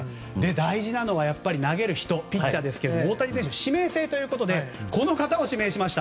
大事なのが、やっぱり投げる人、ピッチャーですけど大谷選手は指名制ということでこの方を指名しました。